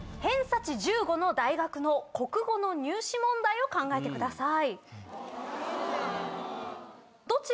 偏差値１５の大学の国語の入試問題を考えてください。